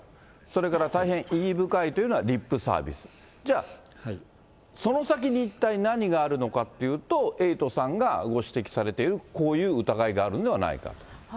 それから大変意義深いというのは、リップサービス、じゃあ、その先に一体何があるのかというと、エイトさんがご指摘されている、こういう疑いがあるんではないか。